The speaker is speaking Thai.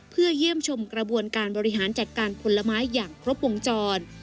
เพื่อเยี่ยมชมกระบวนการบริหารจัดการผลไม้อย่างครบวงจร